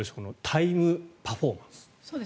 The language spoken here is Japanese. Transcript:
タイムパフォーマンス。